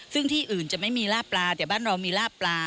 ซึ่งที่อื่นจะไม่มีลาบปลาแต่บ้านเรามีลาบปลา